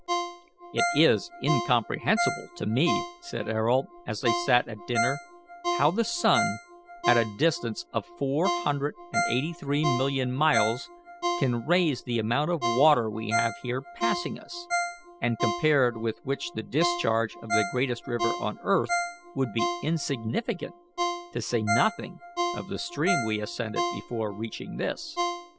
"It is incomprehensible to me." said Ayrault, as they sat at dinner, "how the sun, at a distance of four hundred and eighty three million miles, can raise the amount of water we have here passing us, and compared with which the discharge of the greatest river on earth would be insignificant, to say nothing of the stream we ascended before reaching this."